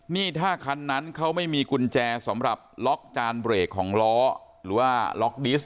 นี่ถ้าคันนั้นเขาไม่มีกุญแจสำหรับล็อกจานเบรกของล้อหรือว่าล็อกดิสต